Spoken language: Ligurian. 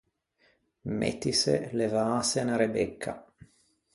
Mettise, levâse unna rebecca.